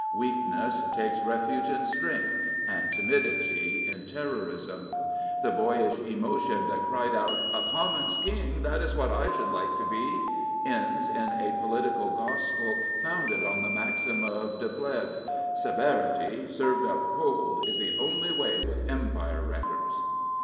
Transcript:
iWeakness takes refuge in strength and timidity in Terrorism. I The boyish emotion that cried out, " A Common? King: that is what I should like to be," ends in a political gospel founded on the maxim of de Plehve —" Severity, served up cold, is the only way with Empire wreckers."